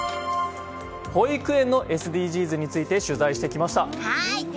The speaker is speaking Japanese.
保育園のＳＤＧｓについて取材してきました。